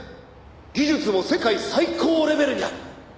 「技術も世界最高レベルにある」